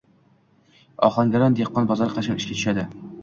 Ohangaron dehqon bozori” qachon ishga tushadi.